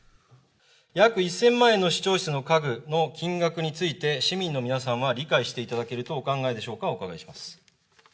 約１０００万円の市長室の家具の金額について、市民の皆さんは理解していただけるとお考えでしょうか、お伺いします。